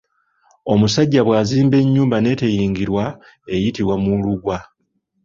Omusajja bw’azimba ennyumba n’eteyingirwa eyitibwa Muwulugwa.